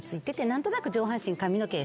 何となく上半身髪の毛